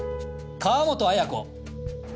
川本綾子。